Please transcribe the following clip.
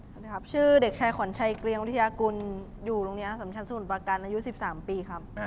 สวัสดีครับชื่อเด็กชายขวัญชัยเกลียงวิทยากุลอยู่โรงเรียนอสัมชันสมุทรประการอายุ๑๓ปีครับ